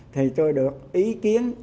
thì tôi được ý kiến